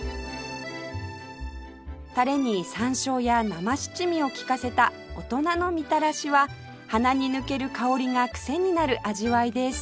タレに山椒や生七味を利かせた大人のみたらしは鼻に抜ける香りがクセになる味わいです